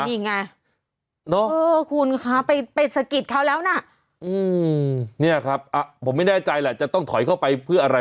นี่ไงเออคุณคะไปสะกิดเขาแล้วนะเนี่ยครับผมไม่แน่ใจแหละจะต้องถอยเข้าไปเพื่ออะไร